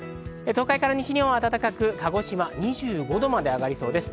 東海から西日本は暖かく、鹿児島は２５度まで上がりそうです。